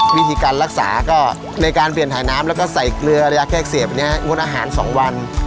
วิธีการรักษาก็ในการเปลี่ยนถ่ายน้ำแล้วก็ใส่เกลือระยะแกล้งเสียบเนี่ยงดอาหาร๒วัน